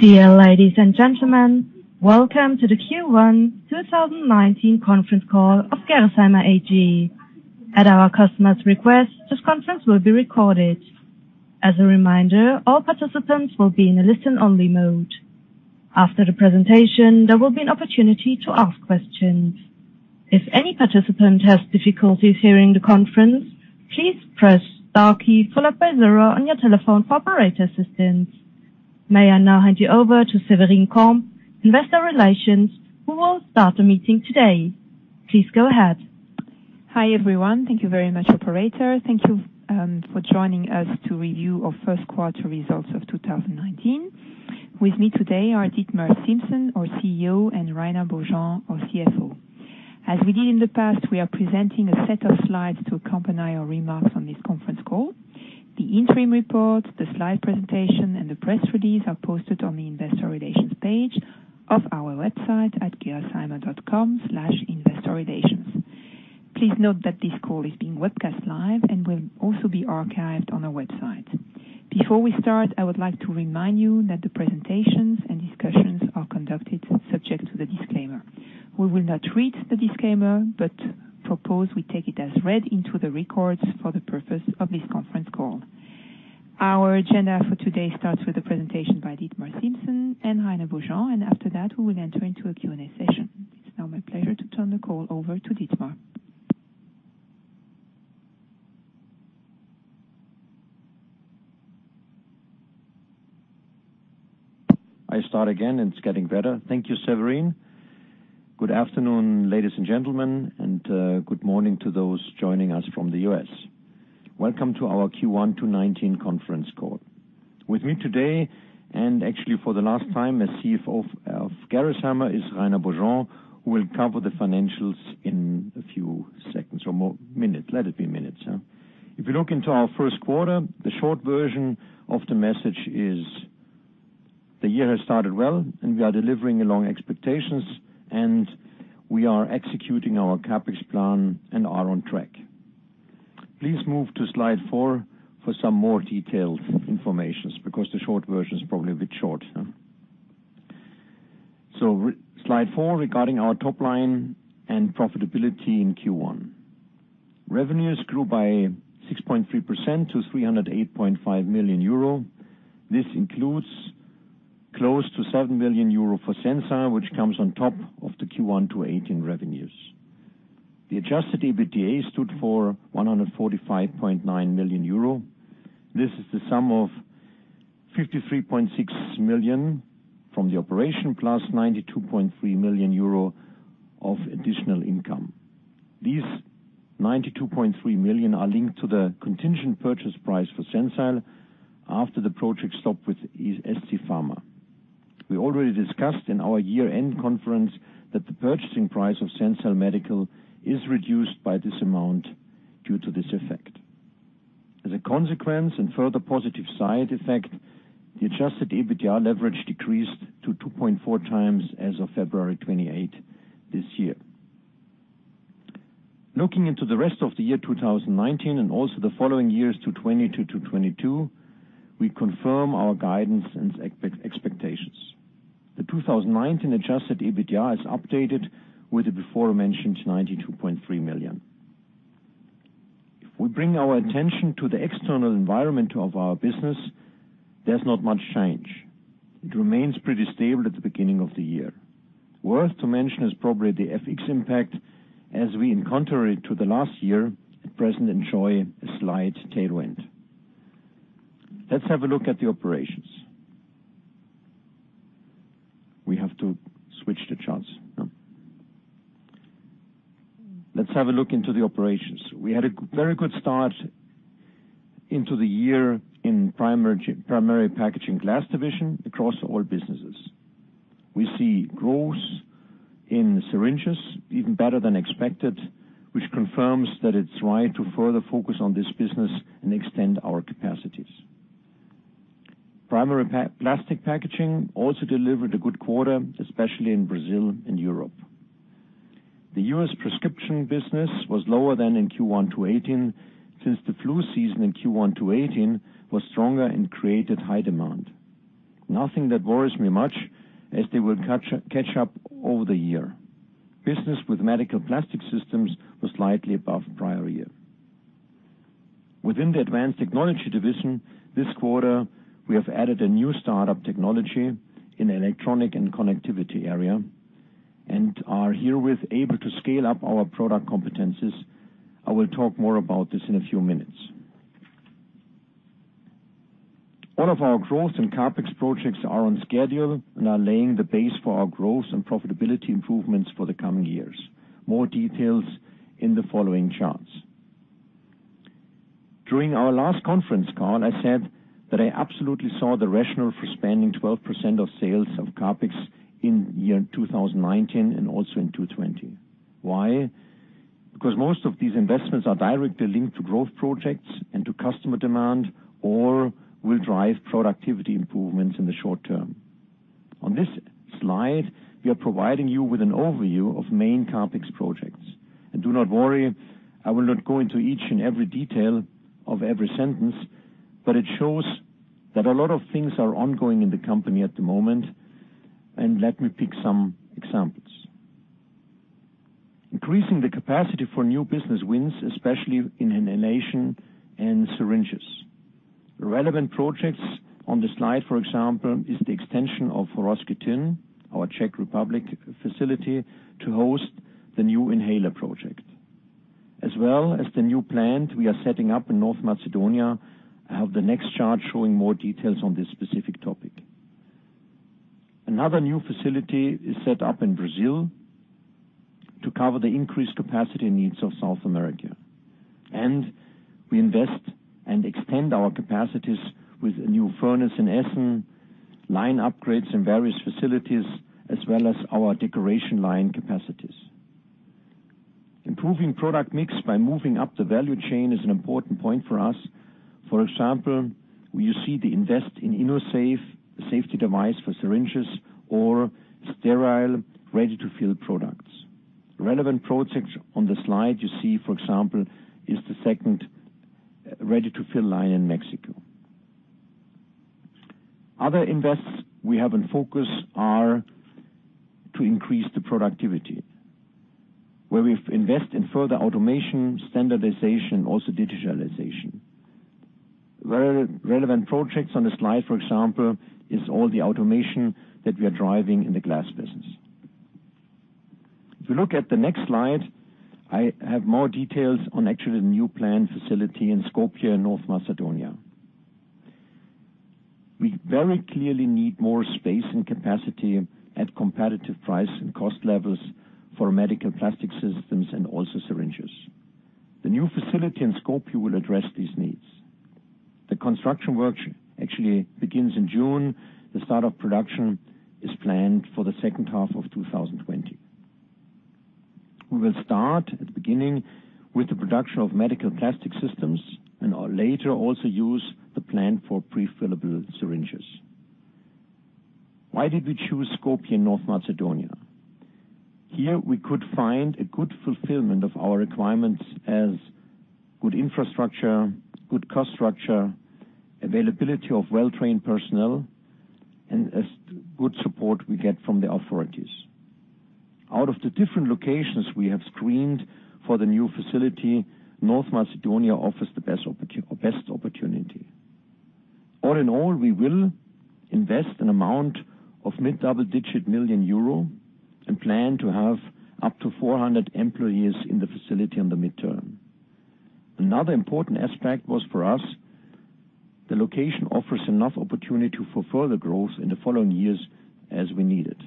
Dear ladies and gentlemen. Welcome to the Q1 2019 conference call of Gerresheimer AG. At our customer's request, this conference will be recorded. As a reminder, all participants will be in a listen-only mode. After the presentation, there will be an opportunity to ask questions. If any participant has difficulties hearing the conference, please press star key followed by zero on your telephone for operator assistance. May I now hand you over to Severine Combe, investor relations, who will start the meeting today. Please go ahead. Hi, everyone. Thank you very much, operator. Thank you for joining us to review our first quarter results of 2019. With me today are Dietmar Siemssen, our CEO, and Rainer Beaujean, our CFO. As we did in the past, we are presenting a set of slides to accompany our remarks on this conference call. The interim report, the slide presentation, and the press release are posted on the investor relations page of our website at gerresheimer.com/investorrelations. Please note that this call is being webcast live and will also be archived on our website. Before we start, I would like to remind you that the presentations and discussions are conducted subject to the disclaimer. We will not read the disclaimer, but propose we take it as read into the records for the purpose of this conference call. Our agenda for today starts with the presentation by Dietmar Siemssen and Rainer Beaujean, and after that we will enter into a Q&A session. It's now my pleasure to turn the call over to Dietmar. I start again. It's getting better. Thank you, Severine. Good afternoon, ladies and gentlemen, and good morning to those joining us from the U.S. Welcome to our Q1 2019 conference call. With me today, and actually for the last time as CFO of Gerresheimer, is Rainer Beaujean, who will cover the financials in a few seconds or more minutes. Let it be minutes. If you look into our first quarter, the short version of the message is the year has started well, and we are delivering along expectations, and we are executing our CapEx plan and are on track. Please move to slide four for some more detailed information, because the short version is probably a bit short. Slide four regarding our top line and profitability in Q1. Revenues grew by 6.3% to 308.5 million euro. This includes close to 7 million euro for Sensile, which comes on top of the Q1 2018 revenues. The adjusted EBITDA stood for 145.9 million euro. This is the sum of 53.6 million from the operation, plus 92.3 million euro of additional income. These 92.3 million are linked to the contingent purchase price for Sensile after the project stopped with scPharma. We already discussed in our year-end conference that the purchasing price of Sensile Medical is reduced by this amount due to this effect. As a consequence and further positive side effect, the adjusted EBITDA leverage decreased to 2.4 times as of February 28th, this year. Looking into the rest of the year 2019 and also the following years 2020-2022, we confirm our guidance and expectations. The 2019 adjusted EBITDA is updated with the before-mentioned 92.3 million. We bring our attention to the external environment of our business, there's not much change. It remains pretty stable at the beginning of the year. Worth to mention is probably the FX impact, as we in contrary to the last year, at present enjoy a slight tailwind. Let's have a look at the operations. We have to switch the charts. Let's have a look into the operations. We had a very good start into the year in Primary Packaging Glass division across all businesses. We see growth in syringes, even better than expected, which confirms that it's right to further focus on this business and extend our capacities. Primary plastic packaging also delivered a good quarter, especially in Brazil and Europe. The U.S. prescription business was lower than in Q1 2018, since the flu season in Q1 2018 was stronger and created high demand. Nothing that worries me much, as they will catch up over the year. Business with medical plastics systems was slightly above prior year. Within the Advanced Technologies division this quarter, we have added a new startup technology in electronic and connectivity area, and are herewith able to scale up our product competencies. I will talk more about this in a few minutes. All of our growth and CapEx projects are on schedule and are laying the base for our growth and profitability improvements for the coming years. More details in the following charts. During our last conference call, I said that I absolutely saw the rationale for spending 12% of sales of CapEx in year 2019 and also in 2020. Why? Most of these investments are directly linked to growth projects and to customer demand, or will drive productivity improvements in the short term. On this slide, we are providing you with an overview of main CapEx projects. Do not worry, I will not go into each and every detail of every sentence, it shows that a lot of things are ongoing in the company at the moment, and let me pick some examples. Increasing the capacity for new business wins, especially in inhalation and syringes. Relevant projects on the slide, for example, is the extension of Horšovský Týn, our Czech Republic facility, to host the new inhaler project, as well as the new plant we are setting up in North Macedonia. I have the next chart showing more details on this specific topic. Another new facility is set up in Brazil to cover the increased capacity needs of South America. We invest and extend our capacities with a new furnace in Essen, line upgrades in various facilities, as well as our decoration line capacities. Improving product mix by moving up the value chain is an important point for us. For example, you see the invest in Gx InnoSafe, a safety device for syringes, or sterile, ready-to-fill products. Relevant projects on the slide you see, for example, is the second ready-to-fill line in Mexico. Other invests we have in focus are to increase the productivity, where we invest in further automation, standardization, also digitalization. Relevant projects on the slide, for example, is all the automation that we are driving in the glass business. If you look at the next slide, I have more details on actually the new plant facility in Skopje, North Macedonia. We very clearly need more space and capacity at competitive price and cost levels for medical plastic systems and also syringes. The new facility in Skopje will address these needs. The construction work actually begins in June. The start of production is planned for the second half of 2020. We will start at the beginning with the production of medical plastic systems and later also use the plant for prefillable syringes. Why did we choose Skopje, North Macedonia? Here, we could find a good fulfillment of our requirements as good infrastructure, good cost structure, availability of well-trained personnel, and as good support we get from the authorities. Out of the different locations we have screened for the new facility, North Macedonia offers the best opportunity. All in all, we will invest an amount of mid-double-digit million EUR and plan to have up to 400 employees in the facility in the midterm. Another important aspect was for us, the location offers enough opportunity for further growth in the following years as we need it.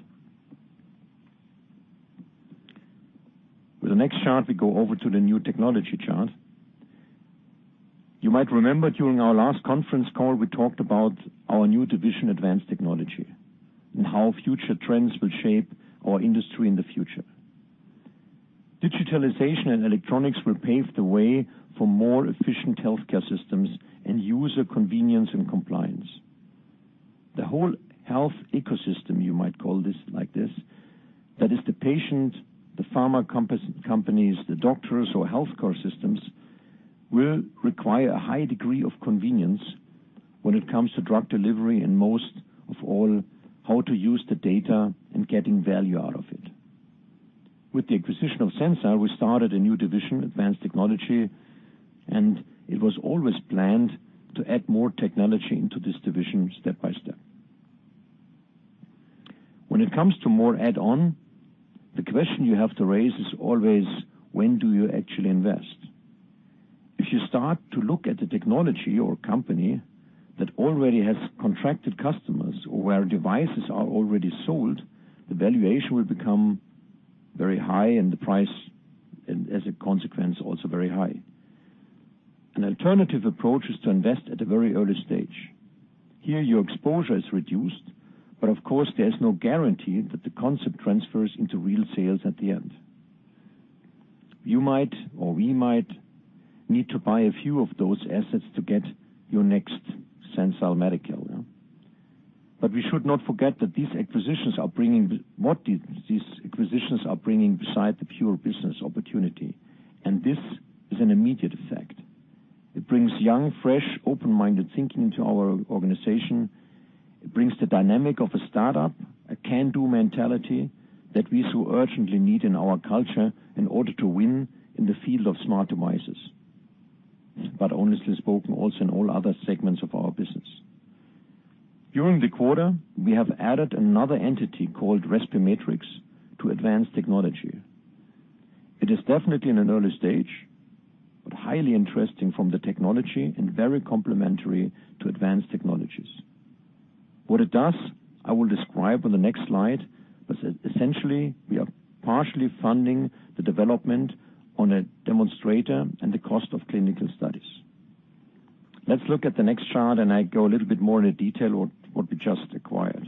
With the next chart, we go over to the new technology chart. You might remember during our last conference call, we talked about our new division, Advanced Technologies, how future trends will shape our industry in the future. Digitalization and electronics will pave the way for more efficient healthcare systems and user convenience and compliance. The whole health ecosystem, you might call this like this, that is the patient, the pharma companies, the doctors or healthcare systems, will require a high degree of convenience when it comes to drug delivery, and most of all, how to use the data and getting value out of it. With the acquisition of Sensile, we started a new division, Advanced Technologies, it was always planned to add more technology into this division step by step. When it comes to more add-on, the question you have to raise is always: when do you actually invest? If you start to look at the technology or company that already has contracted customers or where devices are already sold, the valuation will become very high and the price, as a consequence, also very high. An alternative approach is to invest at a very early stage. Here, your exposure is reduced, but of course, there's no guarantee that the concept transfers into real sales at the end. You might or we might need to buy a few of those assets to get your next Sensile Medical. We should not forget what these acquisitions are bringing beside the pure business opportunity. This is an immediate effect. It brings young, fresh, open-minded thinking into our organization. It brings the dynamic of a startup, a can-do mentality that we so urgently need in our culture in order to win in the field of smart devices. Honestly spoken, also in all other segments of our business. During the quarter, we have added another entity called Respimetrix to Advanced Technologies. It is definitely in an early stage, but highly interesting from the technology and very complementary to Advanced Technologies. What it does, I will describe on the next slide, but essentially, we are partially funding the development on a demonstrator and the cost of clinical studies. Let's look at the next chart. I go a little bit more into detail what we just acquired.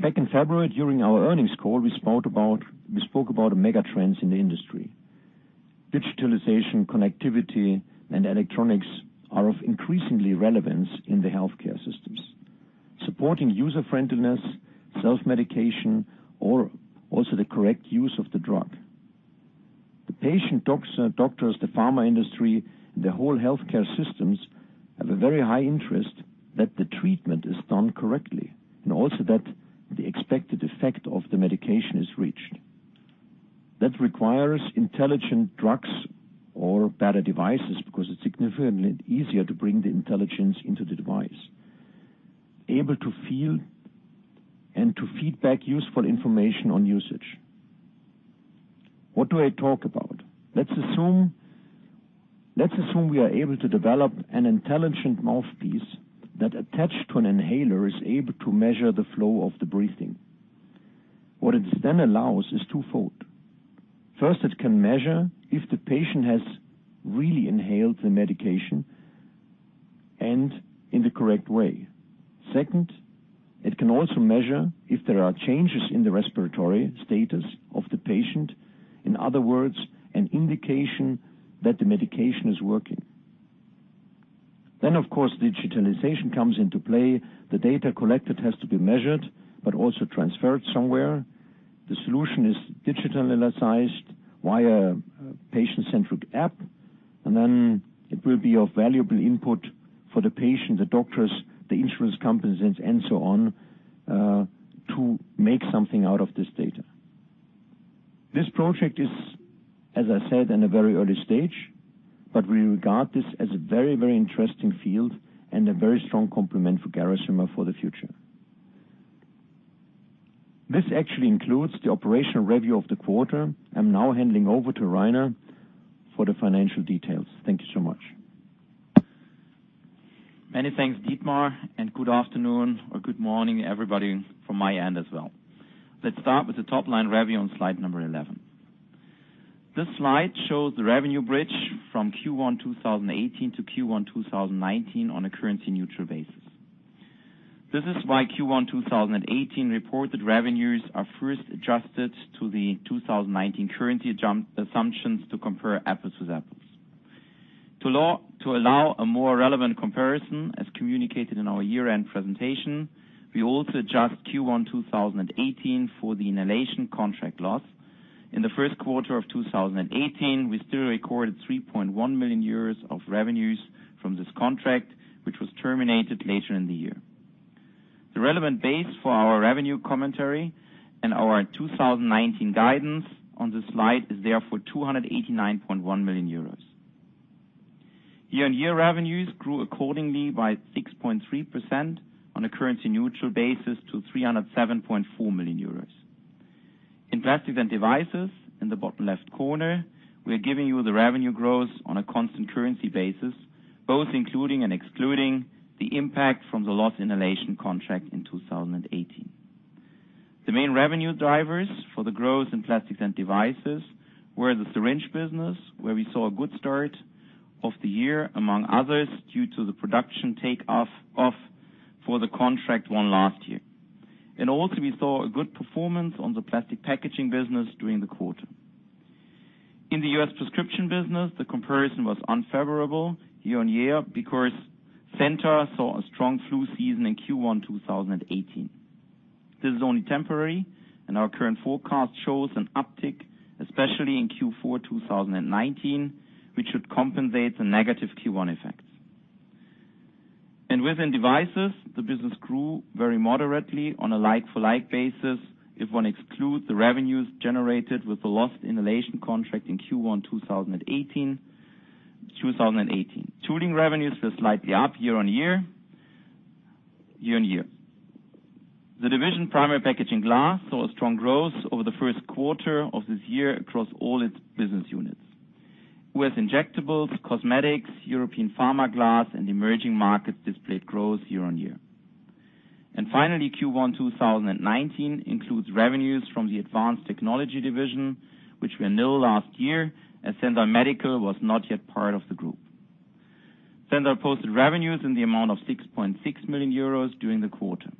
Back in February, during our earnings call, we spoke about the megatrends in the industry. Digitalization, connectivity, and electronics are of increasing relevance in the healthcare systems, supporting user-friendliness, self-medication, or also the correct use of the drug. The patient, doctors, the pharma industry, and the whole healthcare systems have a very high interest that the treatment is done correctly and also that the expected effect of the medication is reached. That requires intelligent drugs or better devices because it's significantly easier to bring the intelligence into the device, able to feel and to feedback useful information on usage. What do I talk about? Let's assume we are able to develop an intelligent mouthpiece that, attached to an inhaler, is able to measure the flow of the breathing. What it then allows is twofold. First, it can measure if the patient has really inhaled the medication and in the correct way. Second, it can also measure if there are changes in the respiratory status of the patient. In other words, an indication that the medication is working. Of course, digitalization comes into play. The data collected has to be measured but also transferred somewhere. The solution is digitalized via a patient-centric app. It will be of valuable input for the patient, the doctors, the insurance companies, and so on to make something out of this data. This project is, as I said, in a very early stage. We regard this as a very interesting field and a very strong complement for Gerresheimer for the future. This actually concludes the operational review of the quarter. I'm now handing over to Rainer for the financial details. Thank you so much. Many thanks, Dietmar, and good afternoon or good morning, everybody, from my end as well. Let's start with the top-line review on slide number 11. This slide shows the revenue bridge from Q1 2018-Q1 2019 on a currency-neutral basis. This is why Q1 2018 reported revenues are first adjusted to the 2019 currency assumptions to compare apples with apples. To allow a more relevant comparison, as communicated in our year-end presentation, we also adjust Q1 2018 for the inhalation contract loss. In the first quarter of 2018, we still recorded 3.1 million euros of revenues from this contract, which was terminated later in the year. The relevant base for our revenue commentary and our 2019 guidance on this slide is therefore 289.1 million euros. Year-on-year revenues grew accordingly by 6.3% on a currency-neutral basis to 307.4 million euros. In plastics and devices, in the bottom left corner, we are giving you the revenue growth on a constant currency basis, both including and excluding the impact from the lost inhalation contract in 2018. The main revenue drivers for the growth in plastics and devices were the syringe business, where we saw a good start of the year, among others, due to the production takeoff for the contract won last year. We also saw a good performance on the plastic packaging business during the quarter. In the U.S. prescription business, the comparison was unfavorable year-on-year because Centor saw a strong flu season in Q1 2018. This is only temporary, and our current forecast shows an uptick, especially in Q4 2019, which should compensate the negative Q1 effects. Within devices, the business grew very moderately on a like-for-like basis if one excludes the revenues generated with the lost inhalation contract in Q1 2018. Tooling revenues were slightly up year-on-year. The division Primary Packaging Glass saw strong growth over the first quarter of this year across all its business units. With injectables, cosmetics, European pharma glass, and emerging markets displayed growth year-on-year. Finally, Q1 2019 includes revenues from the Advanced Technologies division, which were nil last year, as Sensile Medical was not yet part of the group. Sensile posted revenues in the amount of 6.6 million euros during the quarter.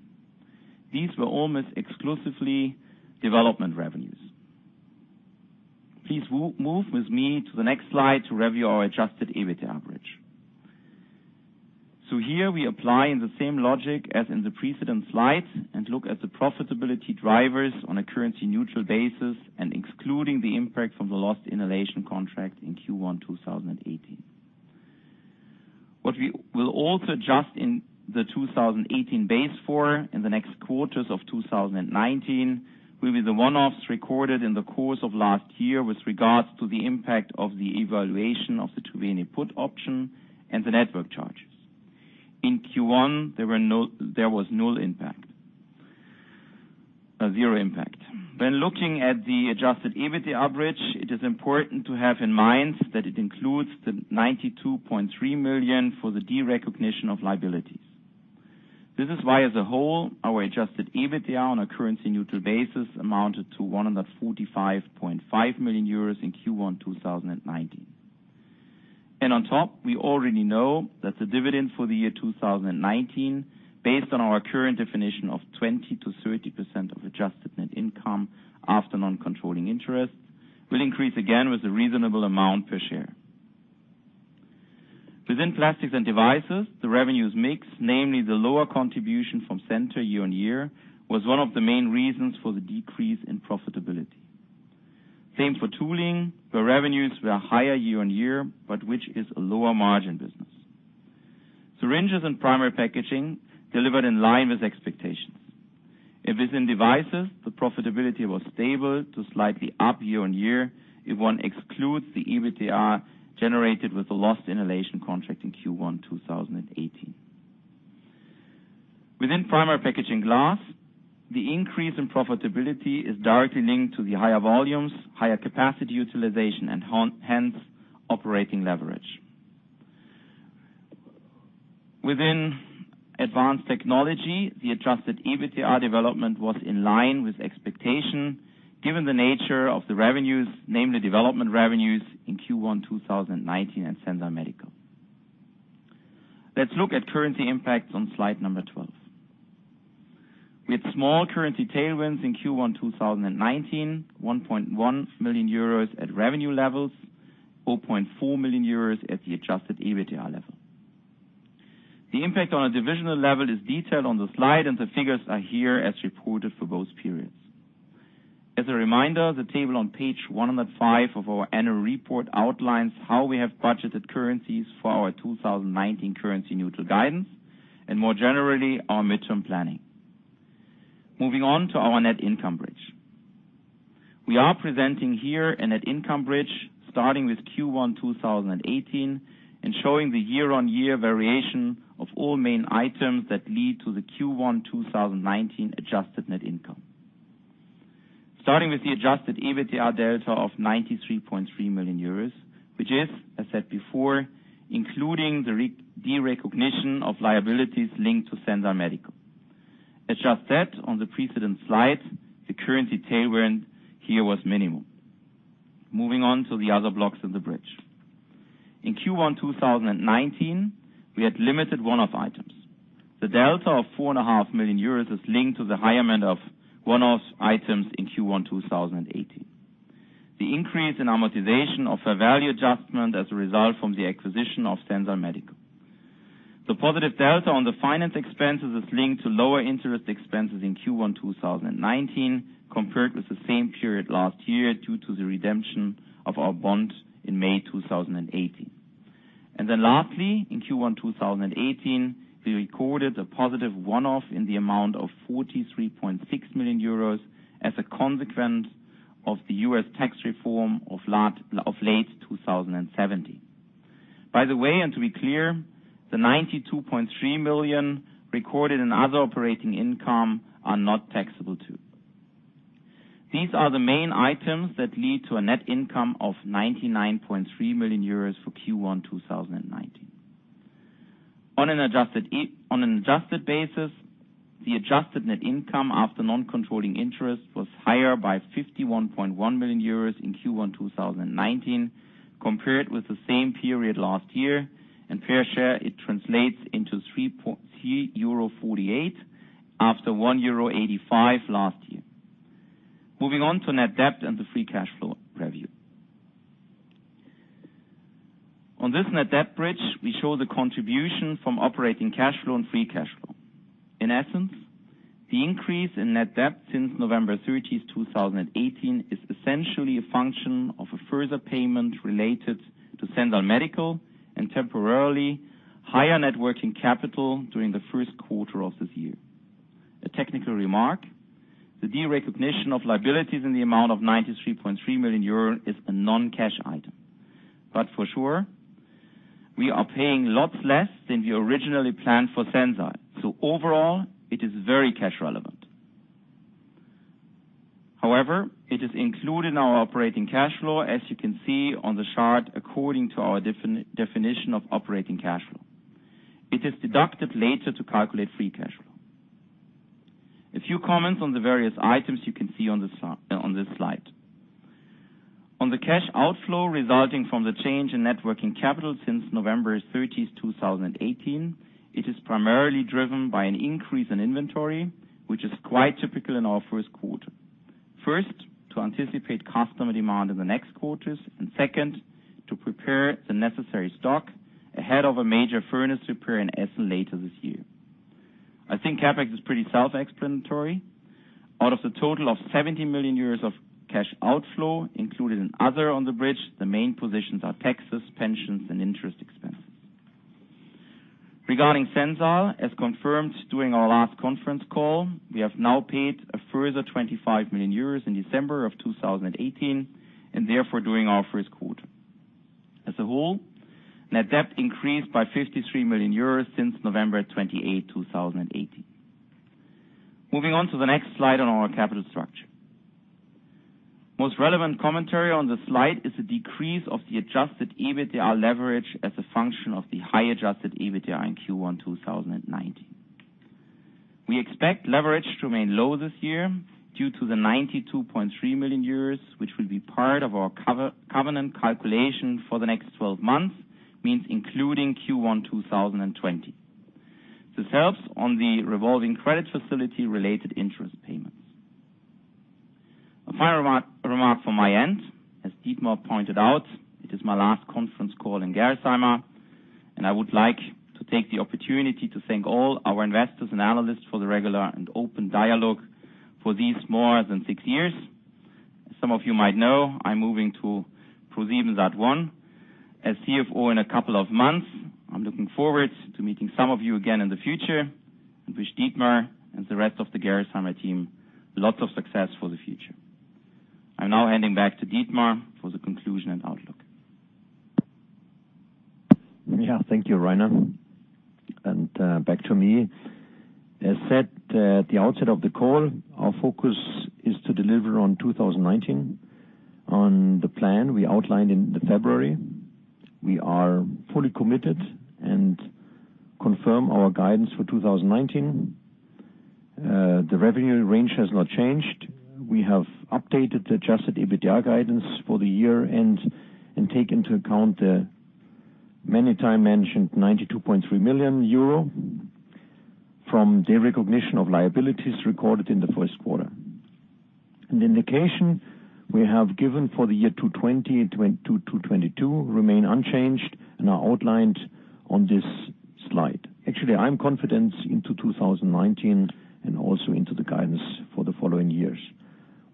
These were almost exclusively development revenues. Please move with me to the next slide to review our adjusted EBIT average. Here we apply the same logic as in the precedent slides and look at the profitability drivers on a currency-neutral basis and excluding the impact from the lost inhalation contract in Q1 2018. What we will also adjust in the 2018 base for in the next quarters of 2019 will be the one-offs recorded in the course of last year with regards to the impact of the evaluation of the Triveni put option and the network charges. In Q1, there was a zero impact. When looking at the adjusted EBIT average, it is important to have in mind that it includes the 92.3 million for the derecognition of liabilities. This is why, as a whole, our adjusted EBITDA on a currency-neutral basis amounted to 145.5 million euros in Q1 2019. On top, we already know that the dividend for the year 2019, based on our current definition of 20%-30% of adjusted net income after non-controlling interest, will increase again with a reasonable amount per share. Within plastics and devices, the revenues mix, namely the lower contribution from Centor year-on-year, was one of the main reasons for the decrease in profitability. Same for tooling, where revenues were higher year-on-year, but which is a lower margin business. Syringes and primary packaging delivered in line with expectations. Within devices, the profitability was stable to slightly up year-on-year, if one excludes the EBITDA generated with the lost inhalation contract in Q1 2018. Within Primary Packaging Glass, the increase in profitability is directly linked to the higher volumes, higher capacity utilization, and hence, operating leverage. Within Advanced Technologies, the adjusted EBITDA development was in line with expectation, given the nature of the revenues, namely development revenues in Q1 2019 and Sensile Medical. Let's look at currency impacts on slide number 12. With small currency tailwinds in Q1 2019, 1.1 million euros at revenue levels, 0.4 million euros at the adjusted EBITDA level. The impact on a divisional level is detailed on the slide, and the figures are here as reported for both periods. As a reminder, the table on page 105 of our annual report outlines how we have budgeted currencies for our 2019 currency neutral guidance, and more generally, our midterm planning. Moving on to our net income bridge. We are presenting here a net income bridge starting with Q1 2018 and showing the year-on-year variation of all main items that lead to the Q1 2019 adjusted net income. Starting with the adjusted EBITDA delta of 93.3 million euros, which is, as said before, including the derecognition of liabilities linked to Sensile Medical. As just said on the precedent slide, the currency tailwind here was minimal. Moving on to the other blocks of the bridge. In Q1 2019, we had limited one-off items. The delta of 4.5 million euros is linked to the high amount of one-off items in Q1 2018. The increase in amortization of a value adjustment as a result from the acquisition of Sensile Medical. The positive delta on the finance expenses is linked to lower interest expenses in Q1 2019 compared with the same period last year, due to the redemption of our bond in May 2018. Lastly, in Q1 2018, we recorded a positive one-off in the amount of 43.6 million euros as a consequence of the U.S. tax reform of late 2017. By the way, to be clear, the 92.3 million recorded in other operating income are not taxable too. These are the main items that lead to a net income of 99.3 million euros for Q1 2019. On an adjusted basis, the adjusted net income after non-controlling interest was higher by 51.1 million euros in Q1 2019 compared with the same period last year. In fair share, it translates into 3.48 euro after 1.85 euro last year. Moving on to net debt and the free cash flow review. On this net debt bridge, we show the contribution from operating cash flow and free cash flow. In essence, the increase in net debt since November 30th, 2018, is essentially a function of a further payment related to Sensile Medical and temporarily higher net working capital during the first quarter of this year. A technical remark, the derecognition of liabilities in the amount of 93.3 million euro is a non-cash item. For sure, we are paying lots less than we originally planned for Sensile. Overall, it is very cash relevant. However, it is included in our operating cash flow, as you can see on the chart, according to our definition of operating cash flow. It is deducted later to calculate free cash flow. A few comments on the various items you can see on this slide. On the cash outflow resulting from the change in net working capital since November 30th, 2018, it is primarily driven by an increase in inventory, which is quite typical in our first quarter. First, to anticipate customer demand in the next quarters, and second, to prepare the necessary stock ahead of a major furnace repair in Essen later this year. I think CapEx is pretty self-explanatory. Out of the total of 70 million euros of cash outflow included in other on the bridge, the main positions are taxes, pensions, and interest expenses. Regarding Sensile, as confirmed during our last conference call, we have now paid a further 25 million euros in December 2018, and therefore, during our first quarter. As a whole, net debt increased by 53 million euros since November 28, 2018. Moving on to the next slide on our capital structure. Most relevant commentary on the slide is the decrease of the adjusted EBITDA leverage as a function of the high adjusted EBITDA in Q1 2019. We expect leverage to remain low this year due to the 92.3 million euros, which will be part of our covenant calculation for the next 12 months, means including Q1 2020. This helps on the revolving credit facility related interest payments. A final remark from my end, as Dietmar pointed out, it is my last conference call in Gerresheimer, and I would like to take the opportunity to thank all our investors and analysts for the regular and open dialogue for these more than six years. As some of you might know, I'm moving to ProSiebenSat.1 as CFO in a couple of months. I'm looking forward to meeting some of you again in the future, and wish Dietmar and the rest of the Gerresheimer team lots of success for the future. I'm now handing back to Dietmar for the conclusion and outlook. Yeah, thank you, Rainer. Back to me. As said at the outset of the call, our focus is to deliver on 2019, on the plan we outlined in February. We are fully committed and confirm our guidance for 2019. The revenue range has not changed. We have updated the adjusted EBITDA guidance for the year and take into account the many time mentioned 92.3 million euro from the recognition of liabilities recorded in the first quarter. The indication we have given for the year 2020-2022 remain unchanged and are outlined on this slide. Actually, I'm confident into 2019 and also into the guidance for the following years.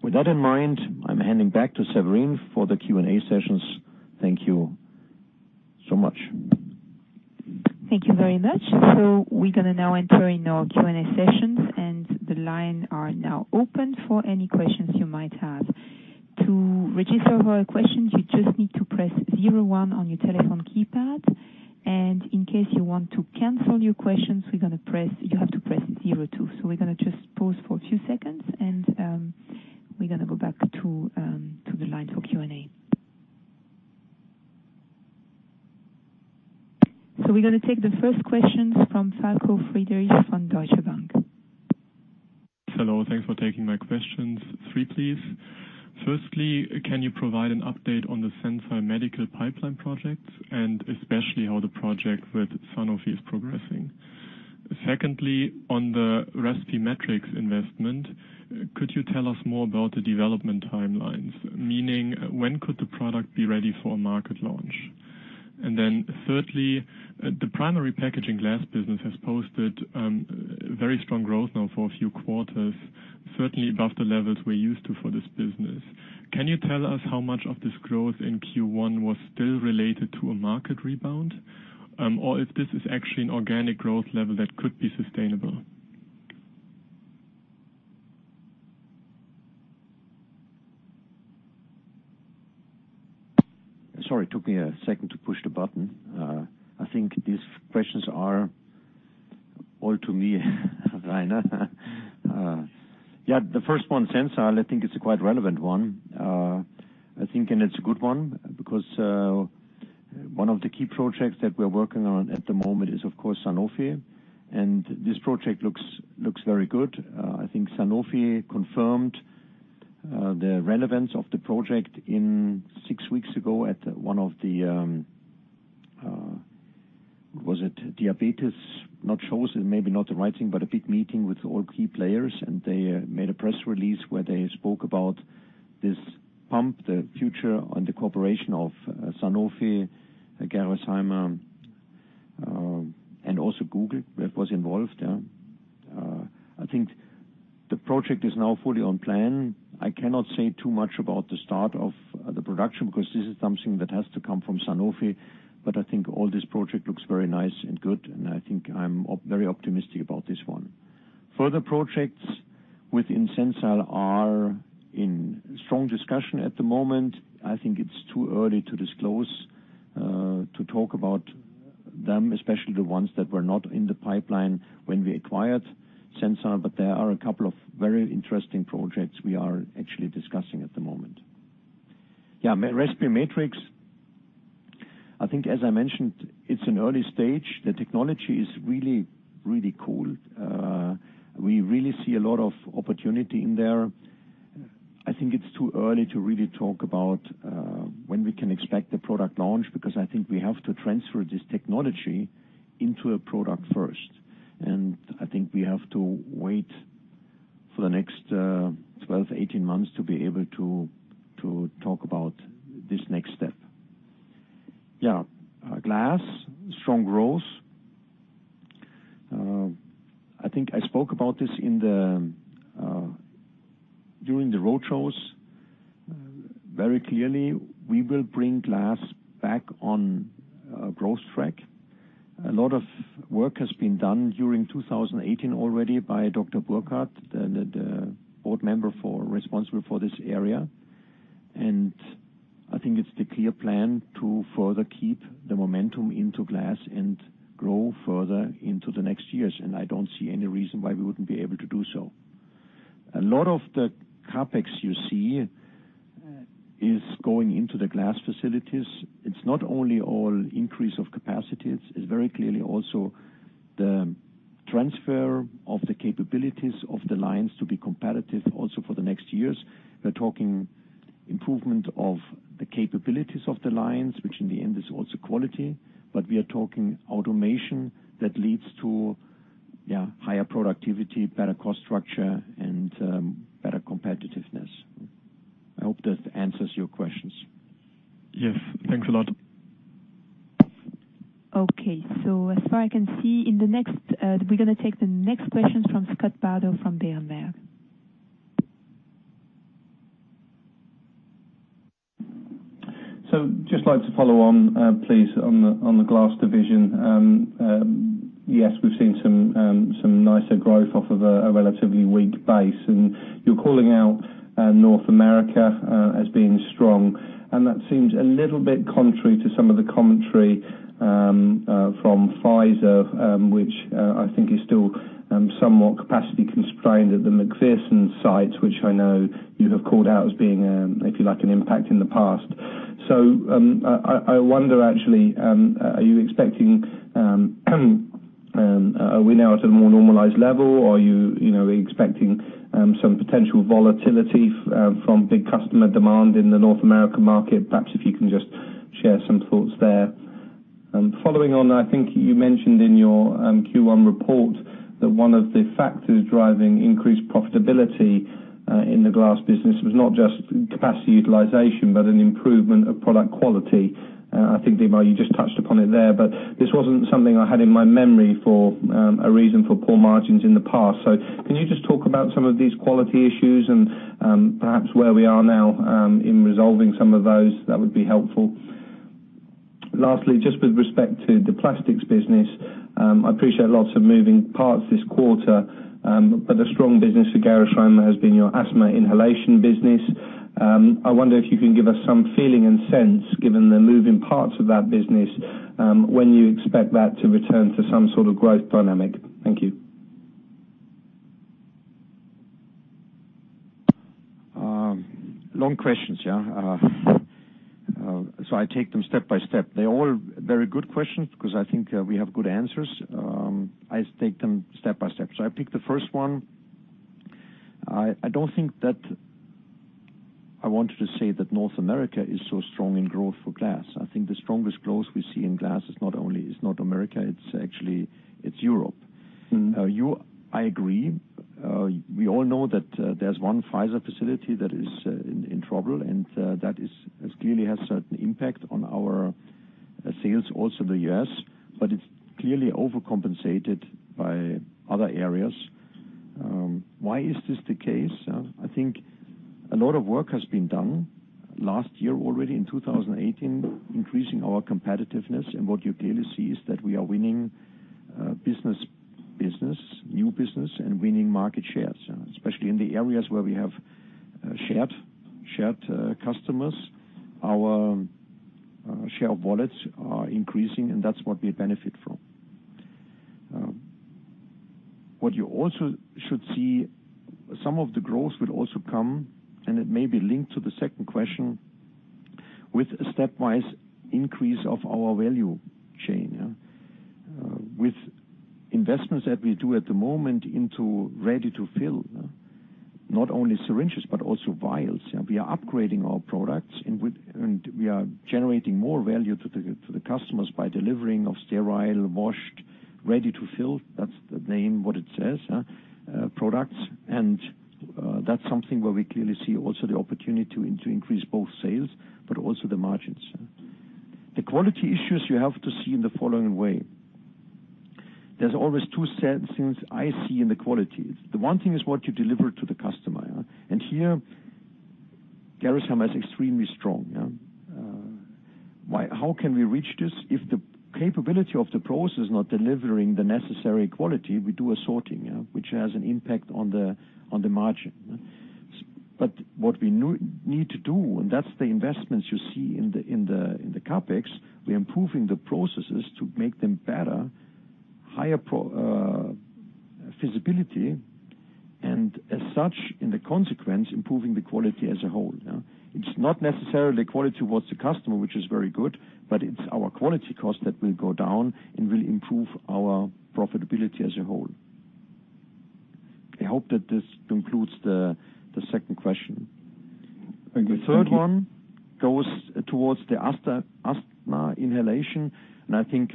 With that in mind, I'm handing back to Severine for the Q&A sessions. Thank you so much. Thank you very much. We're going to now enter in our Q&A sessions, the lines are now open for any questions you might have. To register for a question, you just need to press zero one on your telephone keypad. In case you want to cancel your question, you have to press zero two. We're going to just pause for a few seconds, we're going to go back to the line for Q&A. We're going to take the first question from Falko Friedrichs from Deutsche Bank. Hello. Thanks for taking my questions. Three, please. Firstly, can you provide an update on the Sensile Medical pipeline projects, especially how the project with Sanofi is progressing? Secondly, on the Respimetrix investment, could you tell us more about the development timelines? Meaning, when could the product be ready for a market launch? Thirdly, the Primary Packaging Glass business has posted very strong growth now for a few quarters, certainly above the levels we're used to for this business. Can you tell us how much of this growth in Q1 was still related to a market rebound, or if this is actually an organic growth level that could be sustainable? Sorry, it took me a second to push the button. I think these questions are all to me, Rainer. Yeah, the first one, Sensile, I think it's a quite relevant one. I think it's a good one, because one of the key projects that we're working on at the moment is, of course, Sanofi. This project looks very good. I think Sanofi confirmed the relevance of the project six weeks ago at one of the-- was it diabetes? Not shows, maybe not the right thing, but a big meeting with all key players. They made a press release where they spoke about this pump, the future, and the cooperation of Sanofi, Gerresheimer, and also Google that was involved there. I think the project is now fully on plan. I cannot say too much about the start of the production, because this is something that has to come from Sanofi. I think all this project looks very nice and good, and I think I'm very optimistic about this one. Further projects within Sensile are in strong discussion at the moment. I think it's too early to disclose, to talk about them, especially the ones that were not in the pipeline when we acquired Sensile. There are a couple of very interesting projects we are actually discussing at the moment. Respimetrix, I think, as I mentioned, it's an early stage. The technology is really, really cool. We really see a lot of opportunity in there. I think it's too early to really talk about when we can expect the product launch, because I think we have to transfer this technology into a product first. I think we have to wait for the next 12-18 months to be able to talk about this next step. Glass, strong growth. I think I spoke about this during the road shows. Very clearly, we will bring glass back on growth track. A lot of work has been done during 2018 already by Dr. Dr. Burkhardt, the board member responsible for this area. I think it's the clear plan to further keep the momentum into glass and grow further into the next years. I don't see any reason why we wouldn't be able to do so. A lot of the CapEx you see is going into the glass facilities. It's not only all increase of capacity, it's very clearly also the transfer of the capabilities of the lines to be competitive also for the next years. We're talking improvement of the capabilities of the lines, which in the end is also quality, but we are talking automation that leads to higher productivity, better cost structure, and better competitiveness. I hope that answers your questions. Yes. Thanks a lot. Okay. as far I can see, we're going to take the next question from Scott Bardo from Berenberg. just like to follow on, please, on the glass division. we've seen some nicer growth off of a relatively weak base, you're calling out North America as being strong, that seems a little bit contrary to some of the commentary from Pfizer, which, I think is still somewhat capacity constrained at the McPherson sites, which I know you have called out as being, if you like, an impact in the past. I wonder, actually, are you expecting are we now at a more normalized level? Are you expecting some potential volatility from big customer demand in the North American market? Perhaps if you can just share some thoughts there. Following on, I think you mentioned in your Q1 report that one of the factors driving increased profitability in the glass business was not just capacity utilization, but an improvement of product quality. I think, Dietmar, you just touched upon it there, this wasn't something I had in my memory for a reason for poor margins in the past. can you just talk about some of these quality issues and perhaps where we are now in resolving some of those? That would be helpful. just with respect to the plastics business, I appreciate lots of moving parts this quarter, a strong business for Gerresheimer has been your asthma inhalation business. I wonder if you can give us some feeling and sense, given the moving parts of that business, when you expect that to return to some sort of growth dynamic. Thank you. Long questions. I take them step by step. They're all very good questions because I think we have good answers. I take them step by step. I pick the first one. I don't think that I wanted to say that North America is so strong in growth for glass. I think the strongest growth we see in glass is not America, it's Europe. I agree. We all know that there's one Pfizer facility that is in trouble, that clearly has certain impact on our sales, also the U.S., it's clearly overcompensated by other areas. Why is this the case? I think a lot of work has been done last year already in 2018, increasing our competitiveness, what you clearly see is that we are winning business, new business and winning market shares, especially in the areas where we have shared customers. Our share wallets are increasing, that's what we benefit from. You also should see, some of the growth will also come, it may be linked to the second question with a stepwise increase of our value chain. With investments that we do at the moment into ready-to-fill, not only syringes, but also vials. We are upgrading our products, and we are generating more value to the customers by delivering of sterile, washed, ready-to-fill, that's the name, what it says, products. That's something where we clearly see also the opportunity to increase both sales, but also the margins. The quality issues you have to see in the following way. There's always two sets, since I see in the qualities. The one thing is what you deliver to the customer. Here, Gerresheimer is extremely strong. How can we reach this if the capability of the process is not delivering the necessary quality, we do a sorting, which has an impact on the margin. What we need to do, that's the investments you see in the CapEx, we're improving the processes to make them better, higher visibility, as such, in the consequence, improving the quality as a whole. It's not necessarily quality towards the customer, which is very good, but it's our quality cost that will go down and will improve our profitability as a whole. I hope that this concludes the second question. Thank you. The third one goes towards the asthma inhalation. I think,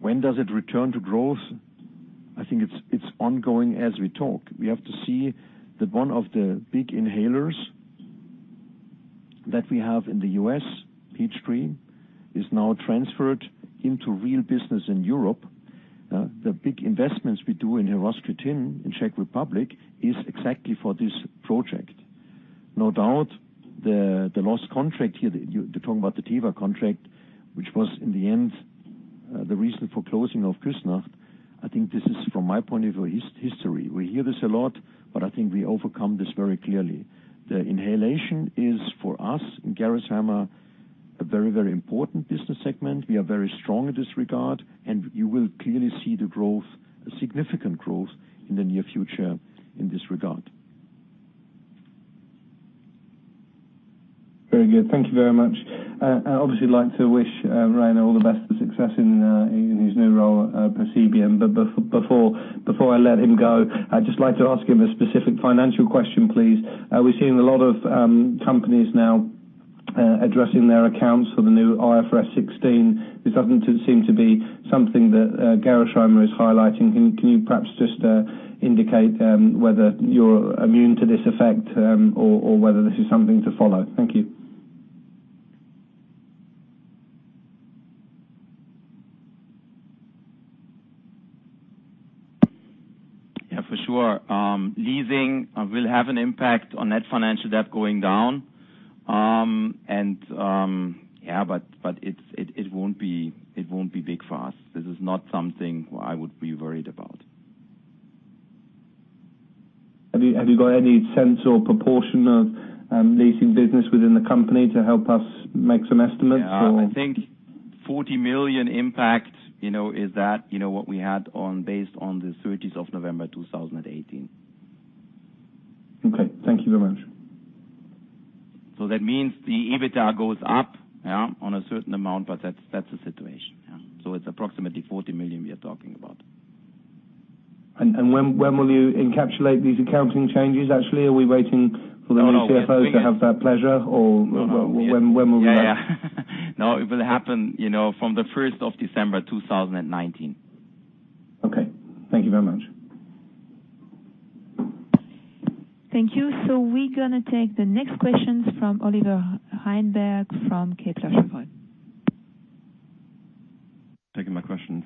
when does it return to growth? I think it's ongoing as we talk. We have to see that one of the big inhalers that we have in the U.S., Peachtree, is now transferred into real business in Europe. The big investments we do in Horšovský Týn, in Czech Republic, is exactly for this project. No doubt, the lost contract here, you're talking about the Teva contract, which was in the end the reason for closing of Küssnacht. I think this is, from my point of view, history. We hear this a lot. I think we overcome this very clearly. The inhalation is, for us in Gerresheimer, a very important business segment. We are very strong in this regard, you will clearly see the significant growth in the near future in this regard. Very good. Thank you very much. I obviously would like to wish Rainer all the best of success in his new role at ProSiebenSat.1. Before I let him go, I'd just like to ask him a specific financial question, please. We're seeing a lot of companies now addressing their accounts for the new IFRS 16. This doesn't seem to be something that Gerresheimer is highlighting. Can you perhaps just indicate whether you're immune to this effect or whether this is something to follow? Thank you. Yeah, for sure. Leasing will have an impact on net financial debt going down. It won't be big for us. This is not something I would be worried about. Have you got any sense or proportion of leasing business within the company to help us make some estimates for- Yeah. I think 40 million impact is that what we had based on the 30th of November 2018. Okay. Thank you very much. That means the EBITDA goes up on a certain amount, that's the situation. Yeah. It's approximately 40 million we are talking about. When will you encapsulate these accounting changes, actually? Are we waiting for the new CFO to have that pleasure? When will we know? Yeah. No, it will happen from the December 1st, 2019. Okay. Thank you very much. Thank you. We're going to take the next questions from Oliver Ebel from Warburg Research. Taking my questions.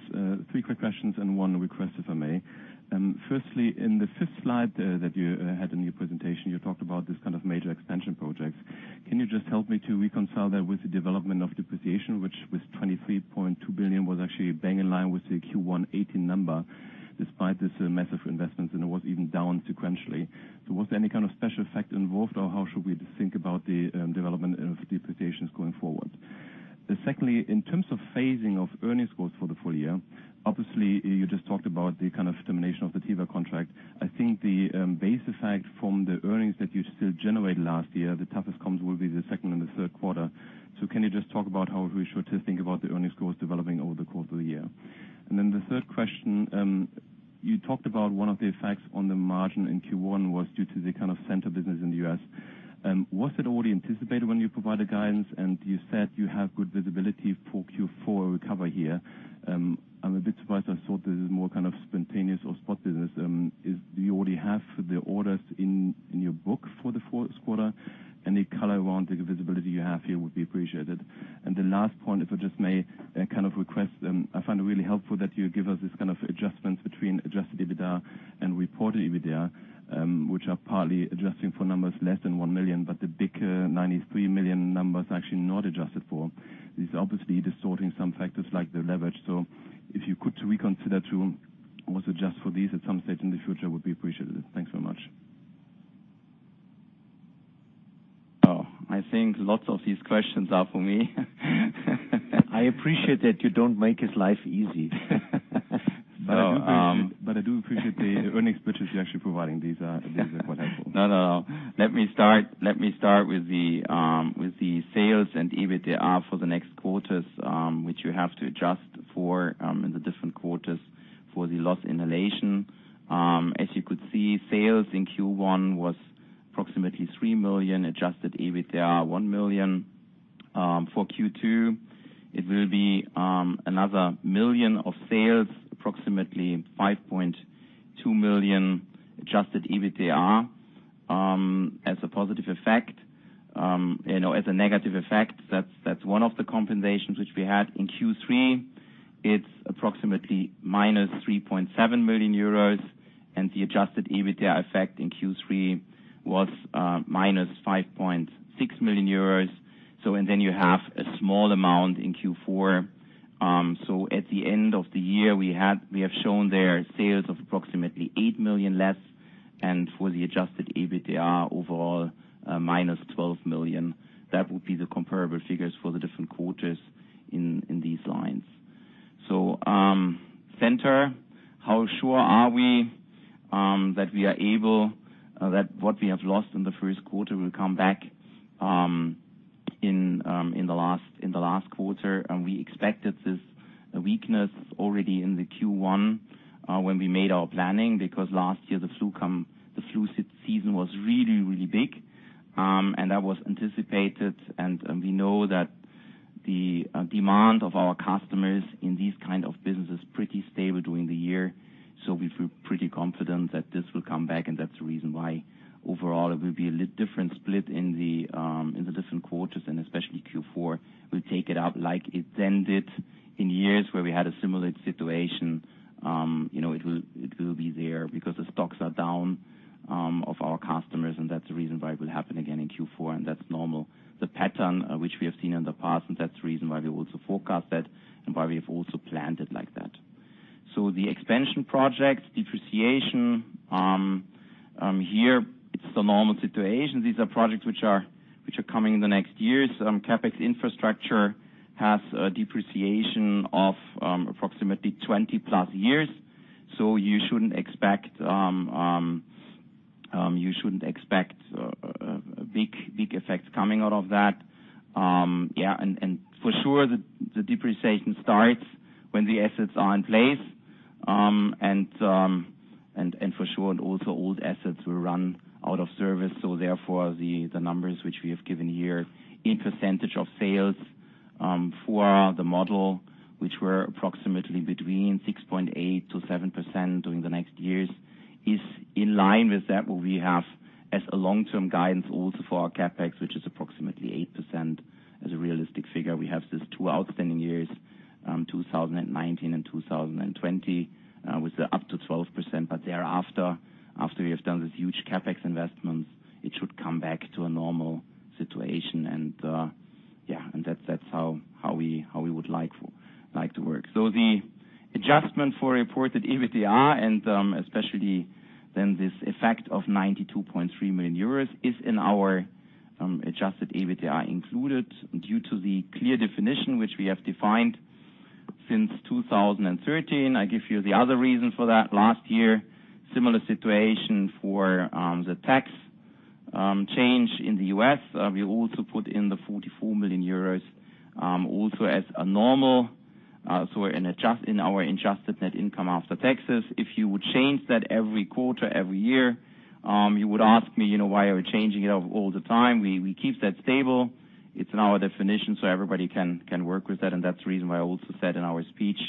Three quick questions and one request, if I may. Firstly, in the fifth slide that you had in your presentation, you talked about this kind of major expansion projects. Can you just help me to reconcile that with the development of depreciation, which was 23.2 billion, was actually bang in line with the Q1 2018 number despite this massive investments, and it was even down sequentially. Was there any kind of special effect involved, or how should we think about the development of depreciations going forward? Secondly, in terms of phasing of earnings goals for the full year, obviously, you just talked about the kind of termination of the Teva contract. I think the base effect from the earnings that you still generated last year, the toughest comps will be the second and the third quarter. Can you just talk about how we should think about the earnings goals developing over the course of the year? The third question, you talked about one of the effects on the margin in Q1 was due to the kind of Centor business in the U.S. Was it already anticipated when you provided guidance and you said you have good visibility for Q4 recovery here? I'm a bit surprised. I thought this is more kind of spontaneous or spot business. Do you already have the orders in your book for the fourth quarter? Any color around the visibility you have here would be appreciated. The last point, if I just may, kind of request, I find it really helpful that you give us this kind of adjustments between adjusted EBITDA and reported EBITDA, which are partly adjusting for numbers less than 1 million, but the bigger 93 million number is actually not adjusted for. This is obviously distorting some factors like the leverage. If you could reconsider to also adjust for these at some stage in the future, would be appreciated. Thanks so much. I think lots of these questions are for me. I appreciate that you don't make his life easy. I do appreciate the earnings pictures you're actually providing. These are quite helpful. No. Let me start with the sales and EBITDA for the next quarters, which you have to adjust for in the different quarters for the loss inhalation. As you could see, sales in Q1 was approximately 3 million, adjusted EBITDA, 1 million. For Q2, it will be another 1 million of sales, approximately 5.2 million adjusted EBITDA, as a positive effect. As a negative effect, that's one of the compensations which we had in Q3. It's approximately minus 3.7 million euros, and the adjusted EBITDA effect in Q3 was minus 5.6 million euros. You have a small amount in Q4. At the end of the year, we have shown there sales of approximately 8 million less, and for the adjusted EBITDA overall, minus 12 million. That would be the comparable figures for the different quarters in these lines. Centor, how sure are we that what we have lost in the first quarter will come back in the last quarter? We expected this weakness already in the Q1, when we made our planning, because last year the flu season was really big. That was anticipated, and we know that the demand of our customers in these kind of businesses is pretty stable during the year. We feel pretty confident that this will come back, and that's the reason why overall it will be a different split in the different quarters, and especially Q4 will take it up like it ended in years where we had a similar situation. It will be there because the stocks are down. That's normal, the pattern which we have seen in the past, and that's the reason why we also forecast that and why we have also planned it like that. The expansion project depreciation, here it's the normal situation. These are projects which are coming in the next years. CapEx infrastructure has a depreciation of approximately 20+ years, so you should not expect a big effect coming out of that. For sure, the depreciation starts when the assets are in place. For sure, also old assets will run out of service. Therefore, the numbers which we have given here in percentage of sales, for the model, which were approximately between 6.8%-7% during the next years, is in line with that what we have as a long-term guidance also for our CapEx, which is approximately 8% as a realistic figure. We have these two outstanding years, 2019 and 2020, with up to 12%, but thereafter, after we have done these huge CapEx investments, it should come back to a normal situation. That's how we would like to work. The adjustment for reported EBITDA, and especially then this effect of 92.3 million euros, is in our adjusted EBITDA included due to the clear definition which we have defined since 2013. I give you the other reason for that. Last year, similar situation for the tax change in the U.S. We also put in the 44 million euros, also as a normal, in our adjusted net income after taxes. If you would change that every quarter, every year, you would ask me, "Why are you changing it all the time?" We keep that stable. It's in our definition, everybody can work with that. That's the reason why I also said in our speech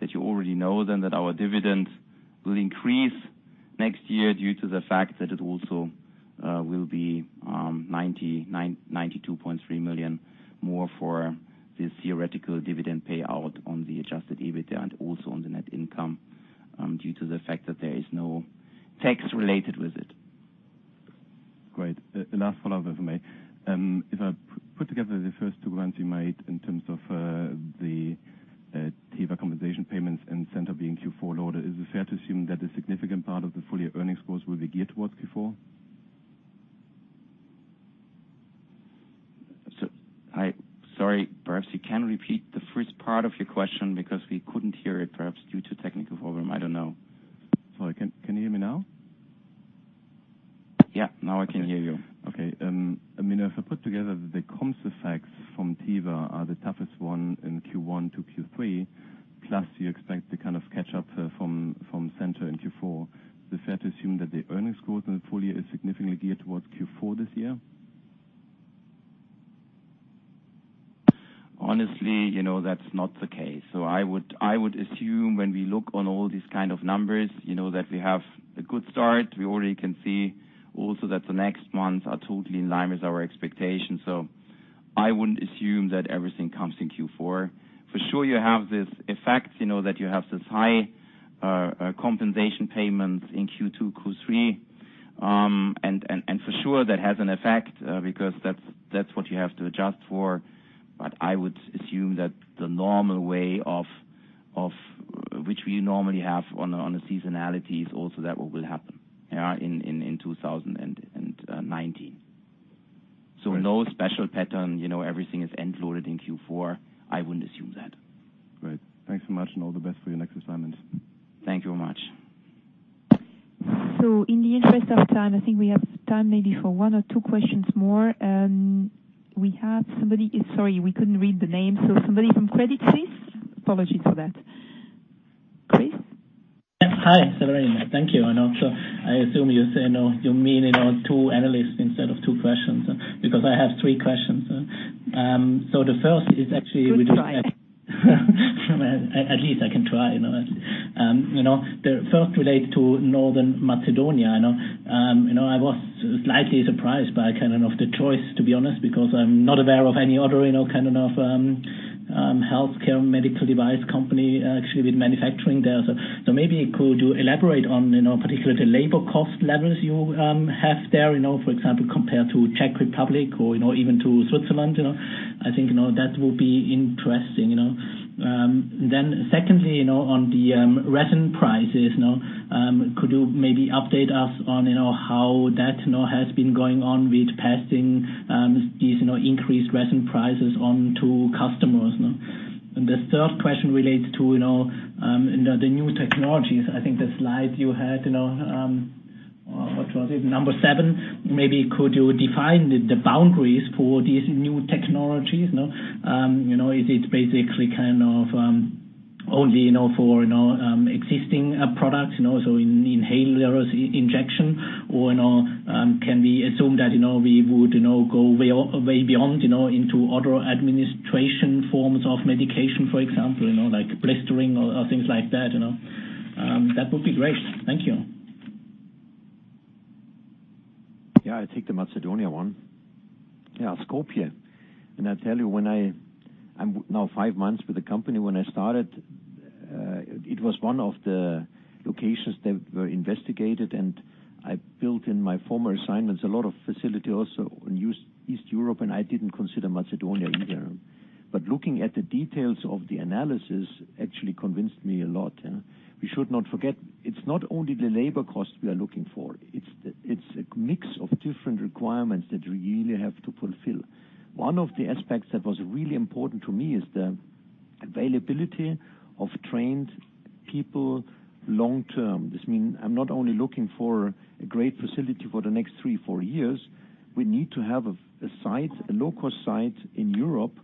that you already know then that our dividends will increase next year due to the fact that it also will be 92.3 million more for this theoretical dividend payout on the adjusted EBITDA and also on the net income, due to the fact that there is no tax related Great. Thanks so much, and all the best for your next assignment. Thank you very much. In the interest of time, I think we have time maybe for one or two questions more. We have somebody Sorry, we couldn't read the name. Somebody from Credit Suisse? Apologies for that. Chris? Hi, Severine. Thank you. I assume you say no, you mean two analysts instead of two questions, because I have three questions. The first is actually. Good try. At least I can try. The first relates to Northern Macedonia. I was slightly surprised by the choice, to be honest, because I am not aware of any other kind of healthcare medical device company actually with manufacturing there. Could you elaborate on, particularly the labor cost levels you have there, for example, compared to Czech Republic or even to Switzerland. I think that would be interesting. Secondly, on the resin prices. Could you maybe update us on how that has been going on with passing these increased resin prices on to customers? The third question relates to the new technologies. I think the slide you had, what was it, number seven? Could you define the boundaries for these new technologies? Is it basically only for existing products, so inhalers, injectables? Can we assume that we would go way beyond into other administration forms of medication, for example, like blistering or things like that? That would be great. Thank you. I take the Macedonia one. Skopje. I tell you, I am now five months with the company. When I started, it was one of the locations that were investigated, and I built in my former assignments, a lot of facilities also in East Europe, and I did not consider Macedonia either. Looking at the details of the analysis actually convinced me a lot. We should not forget, it is not only the labor cost we are looking for, it is a mix of different requirements that we really have to fulfill. One of the aspects that was really important to me is the availability of trained people long-term. This means I am not only looking for a great facility for the next three, four years. We need to have a site, a low-cost site in Europe,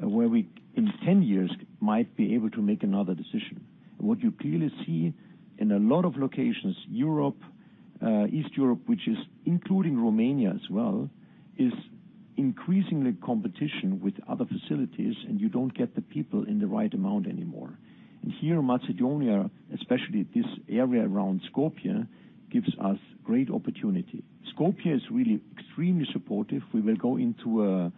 where we, in 10 years, might be able to make another decision. What you clearly see in a lot of locations, Europe, East Europe, which is including Romania as well, is increasing the competition with other facilities, and you do not get the people in the right amount anymore. Here in Macedonia, especially this area around Skopje, gives us great opportunity. Skopje is really extremely supportive. We will go into a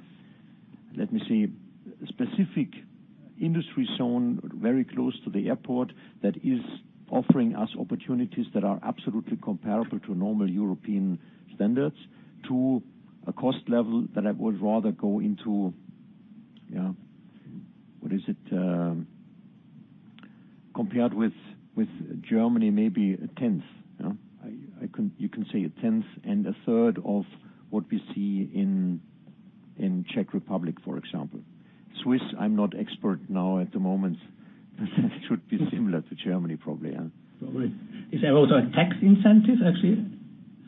specific industry zone very close to the airport that is offering us opportunities that are absolutely comparable to normal European standards, to a cost level that I would rather go into. What is it? Compared with Germany, maybe a tenth. You can say a tenth and a third of what we see in Czech Republic, for example. Swiss, I am not expert now at the moment. It should be similar to Germany, probably. All right. Is there also a tax incentive, actually,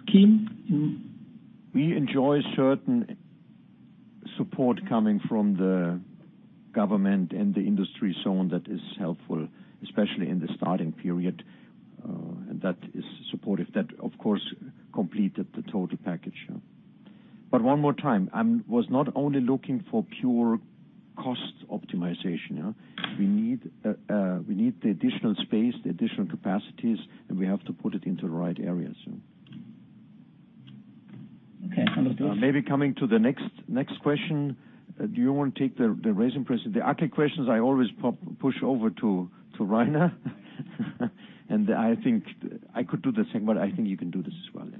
scheme in- We enjoy certain support coming from the government and the industry zone that is helpful, especially in the starting period. That is supportive. That, of course, completed the total package. One more time, I was not only looking for pure cost optimization. We need the additional space, the additional capacities, and we have to put it into the right areas. Okay. Maybe coming to the next question. Do you want to take the resin prices? The Ad-tech questions, I always push over to Rainer. I think I could do the same, but I think you can do this as well, yeah.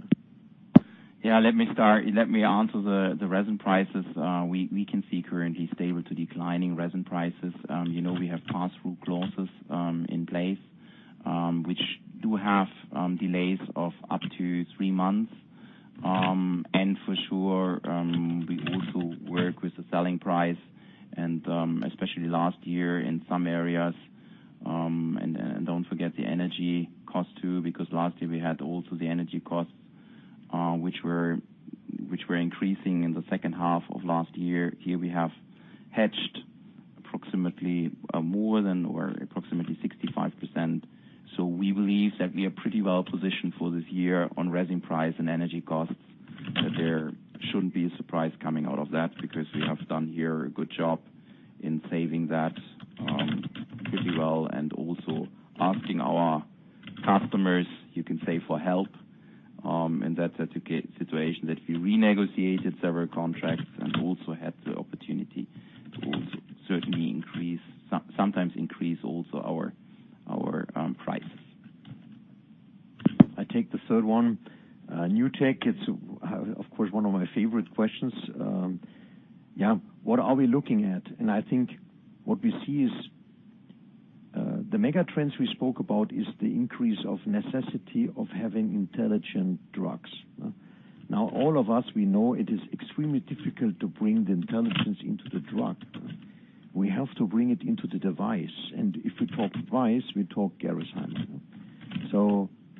Yeah, let me start. Let me answer the resin prices. We can see currently stable to declining resin prices. We have pass-through clauses in place, which do have delays of up to three months. For sure, we also work with the selling price, and especially last year in some areas. Don't forget the energy cost, too, because last year we had also the energy costs, which were increasing in the second half of last year. Here we have hedged approximately more than, or approximately 65%. We believe that we are pretty well positioned for this year on resin price and energy costs, that there shouldn't be a surprise coming out of that because we have done here a good job in saving that pretty well and also asking our customers, you can say, for help, in that situation. We renegotiated several contracts and also had the opportunity to also certainly increase, sometimes increase also our prices. I take the third one. New tech, it's, of course, one of my favorite questions. Yeah, what are we looking at? I think what we see is the mega trends we spoke about is the increase of necessity of having intelligent drugs. Now, all of us, we know it is extremely difficult to bring the intelligence into the drug. We have to bring it into the device. If we talk device, we talk Gerresheimer.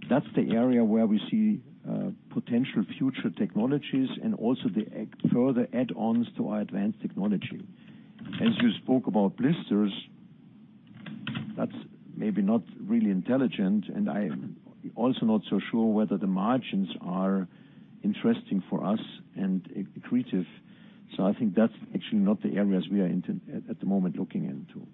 That's the area where we see potential future technologies and also the further add-ons to our advanced technology. As you spoke about blisters, that's maybe not really intelligent, and I am also not so sure whether the margins are interesting for us and accretive. I think that's actually not the areas we are, at the moment, looking into.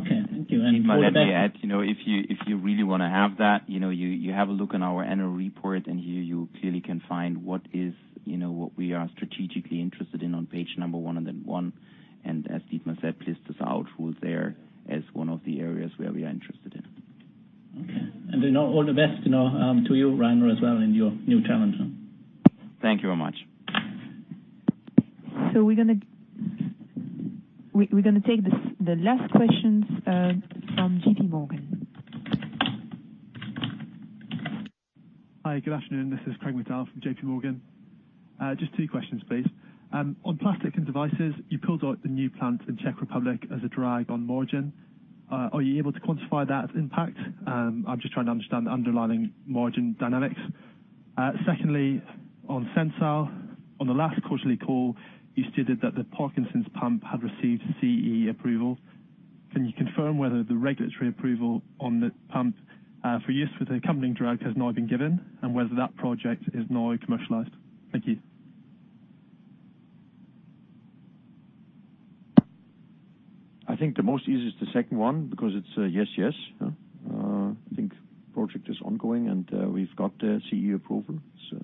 Okay, thank you. For that. Dietmar, let me add, if you really want to have that, you have a look in our annual report, and here you clearly can find what we are strategically interested in on page number 101. As Dietmar said, blisters are out. Rule's there as one of the areas where we are interested in. Okay. All the best to you, Rainer, as well, in your new challenge. Thank you very much. We're going to take the last questions from J.P. Morgan. Hi, good afternoon. This is Craig McDonald from J.P. Morgan. Just two questions, please. On plastic and devices, you pulled out the new plant in Czech Republic as a drag on margin. Are you able to quantify that impact? I'm just trying to understand the underlying margin dynamics. Secondly, on Sensile, on the last quarterly call, you stated that the Parkinson's pump had received CE approval. Can you confirm whether the regulatory approval on the pump for use with the accompanying drug has now been given and whether that project is now commercialized? Thank you. I think the most easy is the second one because it's a yes. Project is ongoing and we've got the CE approval, so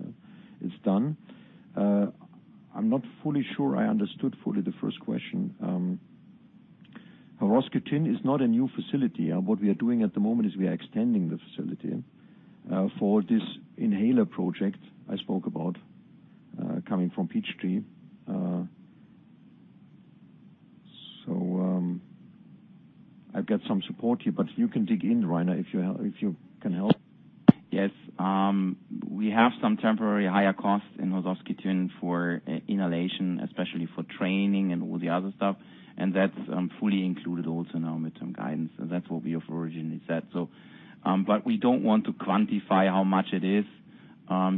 it's done. I'm not fully sure I understood fully the first question. Roskirchen is not a new facility. What we are doing at the moment is we are extending the facility for this inhaler project I spoke about coming from Peachtree. I've got some support here, but you can dig in, Rainer, if you can help. Yes. We have some temporary higher costs in Roskirchen for inhalation, especially for training and all the other stuff, and that's fully included also now with some guidance. That's what we originally said. We don't want to quantify how much it is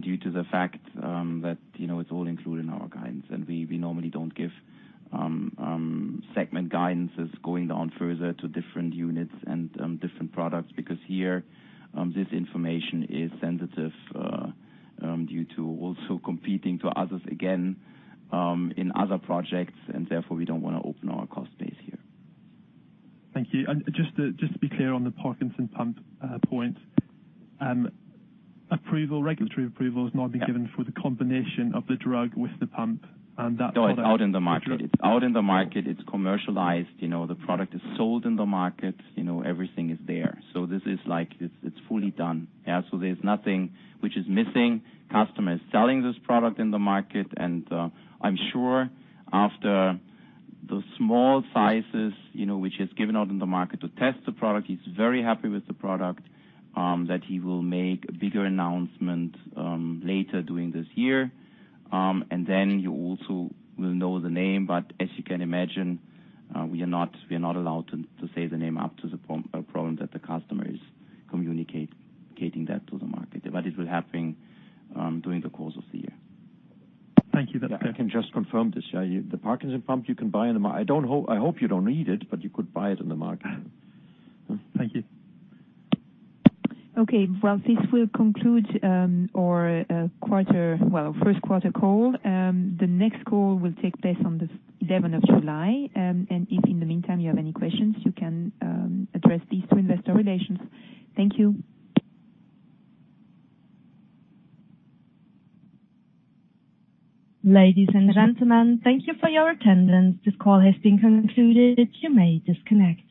due to the fact that it's all included in our guidance. We normally don't give segment guidances going down further to different units and different products because here, this information is sensitive due to also competing to others, again, in other projects, and therefore, we don't want to open our cost base here. Thank you. Just to be clear on the Parkinson's pump point. Regulatory approval has now been given for the combination of the drug with the pump and that product- No, it's out in the market. It's out in the market, it's commercialized. The product is sold in the market, everything is there. This is like it's fully done. There's nothing which is missing. Customer is selling this product in the market, and I'm sure after the small sizes which is given out in the market to test the product, he's very happy with the product, that he will make a bigger announcement later during this year. Then you also will know the name, but as you can imagine, we are not allowed to say the name up to the point that the customer is communicating that to the market. It will happen during the course of the year. Thank you. That's clear. I can just confirm this. Yeah, the Parkinson's pump you can buy. I hope you don't need it, but you could buy it on the market. Thank you. Okay, well, this will conclude our first quarter call. The next call will take place on the July 11th. If in the meantime you have any questions, you can address these to Investor Relations. Thank you. Ladies and gentlemen, thank you for your attendance. This call has been concluded. You may disconnect.